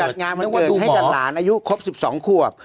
จัดงานวันเกิดให้กับหลานอายุครบ๑๒ขวบ